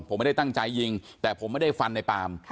ผมไม่ได้ตั้งใจยิงแต่ผมไม่ได้ฟันในปาล์ม